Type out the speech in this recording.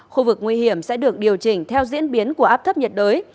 khu vực nguy hiểm sẽ được điều chỉnh theo diễn biến của áp thấp nhiệt đới